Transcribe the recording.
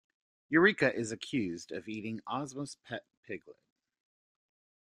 Eureka is accused of eating Ozma's pet piglet.